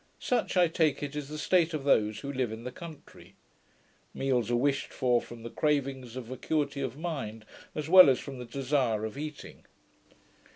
Such, I take it, is the state of those who live in the country. Meals are wished for from the cravings of vacuity of mind, as well as from the desire of eating.